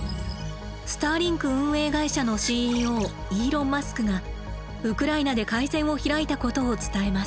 スターリンク運営会社のＣＥＯイーロン・マスクがウクライナで回線を開いたことを伝えます。